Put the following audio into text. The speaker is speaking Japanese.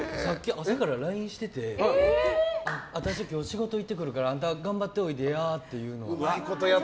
朝からＬＩＮＥしてて私、今日仕事と行ってくるからあんた頑張っておいでやって。